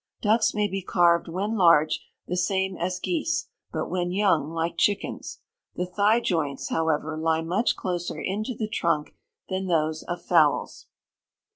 Ducks may be carved, when large, the same as geese; but when young, like chickens. The thigh joints, however, lie much closer into the trunk than those of fowls.